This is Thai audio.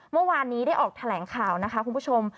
เมื่อวานนี้ได้ออกแถลงข่าวนะคะคุณผู้ชม